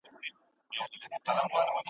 هغه ملګری چي ستاسو پرمختګ غواړي.